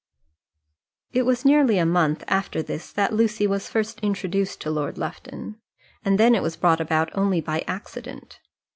It was nearly a month after this that Lucy was first introduced to Lord Lufton, and then it was brought about only by accident.